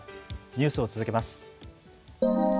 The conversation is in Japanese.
ニュースを続けます。